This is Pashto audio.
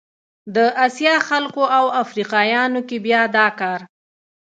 د اسیا خلکو او افریقایانو کې بیا دا کار